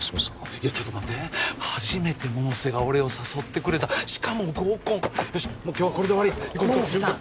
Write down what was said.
いやちょっと待って初めて百瀬が俺を誘ってくれたしかも合コンよしもう今日はこれで終わり百瀬さん